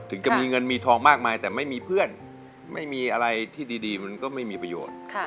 ถึงจะมีเงินมีทองมากมายแต่ไม่มีเพื่อนไม่มีอะไรที่ดีมันก็ไม่มีประโยชน์